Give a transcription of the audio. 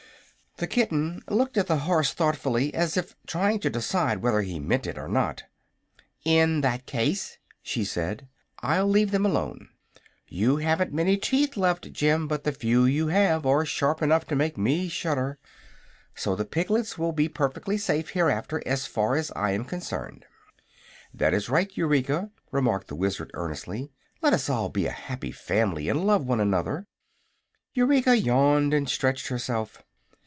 The kitten looked at the horse thoughtfully, as if trying to decide whether he meant it or not. "In that case," she said, "I'll leave them alone. You haven't many teeth left, Jim, but the few you have are sharp enough to make me shudder. So the piglets will be perfectly safe, hereafter, as far as I am concerned." "That is right, Eureka," remarked the Wizard, earnestly. "Let us all be a happy family and love one another." Eureka yawned and stretched herself.